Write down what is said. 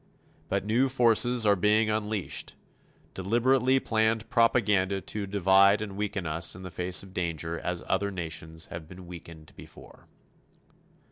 But new forces are being unleashed, deliberately planned propaganda to divide and weaken us in the face of danger as other nations have been weakened before.